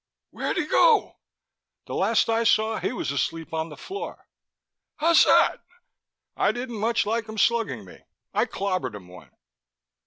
"Where'd he go?" "The last I saw he was asleep on the floor," I said. "Hozzat?" "I didn't much like him slugging me. I clobbered him one."